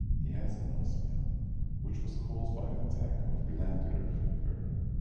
He has anosmia, which was caused by an attack of glandular fever.